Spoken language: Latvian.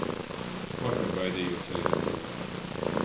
Vakar baidījos aiziet gulēt.